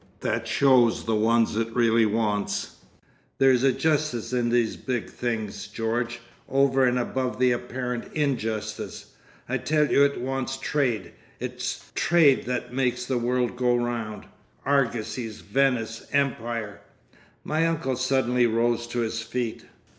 That shows the ones it really wants. There's a justice in these big things, George, over and above the apparent injustice. I tell you it wants trade. It's Trade that makes the world go round! Argosies! Venice! Empire!" My uncle suddenly rose to his feet.